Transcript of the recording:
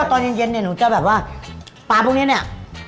ตอนเย็นเนี่ยหนูจะแบบว่าปลาพวกนี้เนี่ย